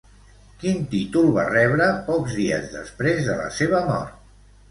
Quin títol va rebre pocs dies després de la seva mort?